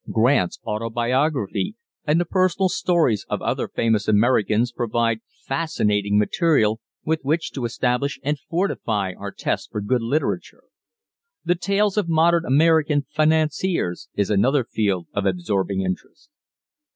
Grant's autobiography and the personal stories of other famous Americans provide fascinating material with which to establish and fortify our test for good literature. The tales of modern American financiers is another field of absorbing interest.